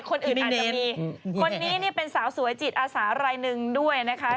คนนี้เป็นสาวสวยจิตอาสารายนึงด้วยนะคะ